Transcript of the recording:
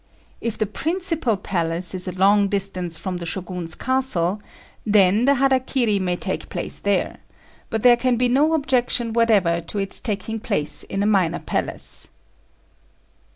If the principal palace is a long distance from the Shogun's castle, then the hara kiri may take place there; but there can be no objection whatever to its taking place in a minor palace.